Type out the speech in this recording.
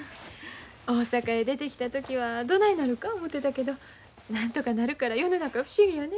大阪へ出てきた時はどないなるか思てたけどなんとかなるから世の中不思議やね。